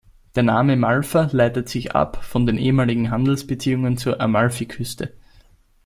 Der Name Malfa leitet sich ab von den ehemaligen Handelsbeziehungen zur Amalfiküste.